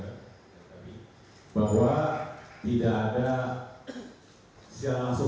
tidak ada secara langsung